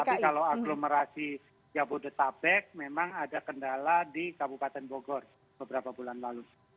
tapi kalau aglomerasi jabodetabek memang ada kendala di kabupaten bogor beberapa bulan lalu